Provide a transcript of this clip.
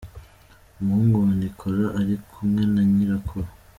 Umuhungu wa Nicolas ari kumwe na Nyirakuru.